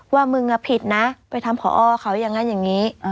ว่ามึงผิดนะไปทำผอเขาอย่างนั้นอย่างนี้